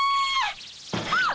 あっ！